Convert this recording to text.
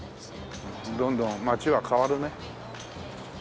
どんどん街は変わるね。